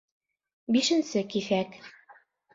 Бишенсе киҫәк